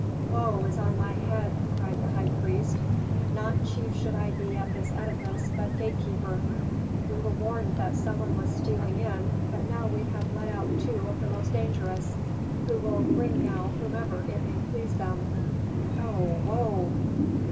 "Woe is on my head!" cried the high priest. "Not chief should I be at this edifice, but gatekeeper. We were warned that some one was stealing in, but now we have let out two of the most dangerous, who will bring now whomever it may please them O woe!"